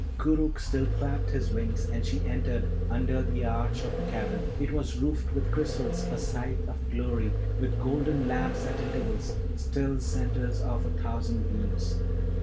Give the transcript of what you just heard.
Koorookh still clapped his wings, and she entered under the arch of the cavern. It was roofed with crystals, a sight of glory, with golden lamps at intervals, still centres of a thousand beams.